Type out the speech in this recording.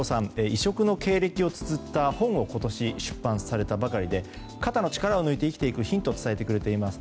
異色の経歴をつづった本を今年出版したばかりで肩の力を抜いて生きていくヒントを伝えてくれています。